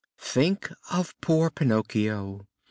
Think of poor Pinocchio!